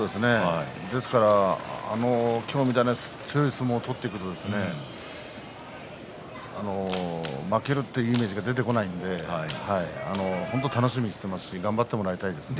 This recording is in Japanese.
ですから今日のような強い相撲を取って負けるというイメージが出てこないので本当に楽しみにしているし頑張ってもらいたいですね。